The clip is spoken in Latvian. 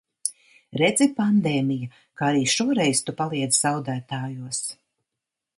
Redzi, pandēmija, ka arī šoreiz tu paliec zaudētājos.